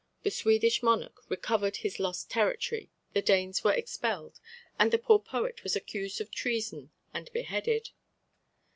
The Swedish monarch recovered his lost territory; the Danes were expelled, and the poor poet was accused of treason and beheaded.